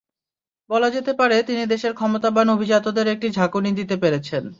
বলা যেতে পারে, তিনি দেশের ক্ষমতাবান অভিজাতদের একটি ঝাঁকুনি দিতে পেরেছেন।